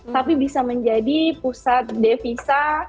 tapi bisa menjadi pusat devisa